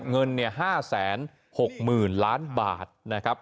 เงิน๕๖๐๐๐ล้านบาทนะครับ